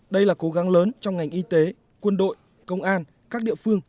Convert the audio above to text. đây là cố gắng lớn trong ngành y tế quân đội công an các địa phương